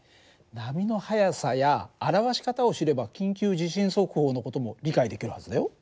波の速さや表し方を知れば緊急地震速報の事も理解できるはずだよ。